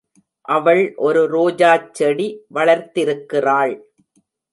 அவள் ஒரு ரோஜாச் செடி வளர்த்திருக்கிறாள்.